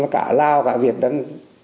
cả lào cả việt đang